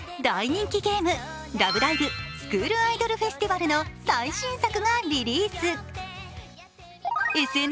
大人気ゲーム「ラブライブ！スクールアイドルフェスティバル」の最新作がリリース。